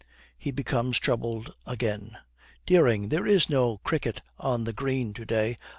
He becomes troubled again. 'Dering, there is no cricket on the green to day.